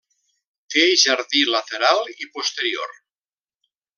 Té jardí lateral i posterior.